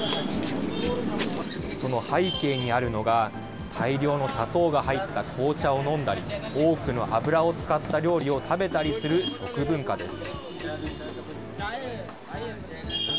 その背景にあるのが、大量の砂糖が入った紅茶を飲んだり、多くの油を使った料理を食べたりする食文化です。